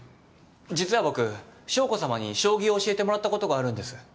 実は僕将子さまに将棋を教えてもらったことがあるんです。